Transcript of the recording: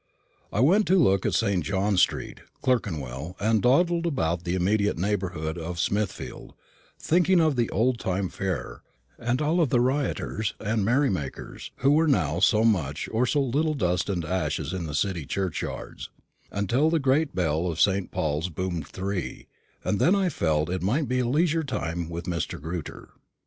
I went to look at John street, Clerkenwell, and dawdled about the immediate neighbourhood of Smithfield, thinking of the old fair time, and of all the rioters and merry makers, who now were so much or so little dust and ashes in City churchyards, until the great bell of St. Paul's boomed three, and I felt that it might be a leisure time with Mr. Grewter.